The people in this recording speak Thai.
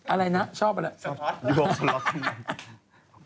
อะไรนะชอบไปแล้ว